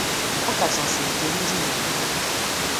ọkachasị nke ndị Igbo